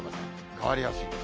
変わりやすいです。